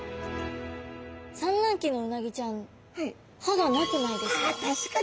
産卵期のうなぎちゃん歯がなくないですか？